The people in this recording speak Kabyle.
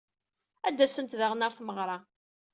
Ad d-asent daɣen ɣer tmeɣra.